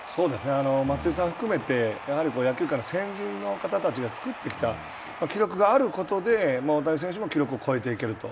松井さんを含めてやはり野球界の先人の方たちが作ってきた記録があることで、大谷選手も記録を超えていけると。